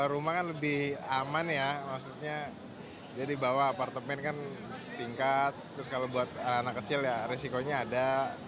rumah kan lebih aman ya maksudnya jadi bahwa apartemen kan tingkat terus kalau buat anak kecil ya resikonya ada